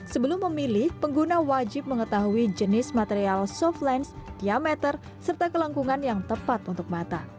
sebelum memilih pengguna wajib mengetahui jenis material softlens diameter serta kelengkungan yang tepat untuk mata